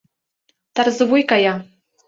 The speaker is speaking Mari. Тарзывуй кая.